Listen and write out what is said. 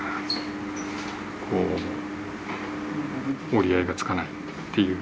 こう折り合いがつかないっていう